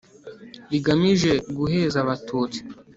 rigamije guheza Abatutsi